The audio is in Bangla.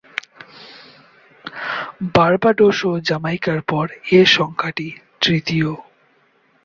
বার্বাডোস ও জ্যামাইকার পর এ সংখ্যাটি তৃতীয়।